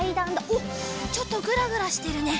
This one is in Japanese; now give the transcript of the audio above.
おっちょっとぐらぐらしてるね。